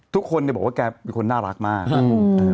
ทุกคนเนี่ยบอกว่าแกเป็นคนน่ารักมาก